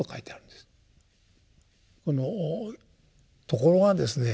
ところがですね